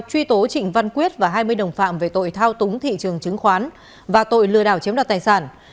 truy tố trịnh văn quyết và hai mươi đồng phạm về tội thao túng thị trường chứng khoán và tội lừa đảo chiếm đoạt tài sản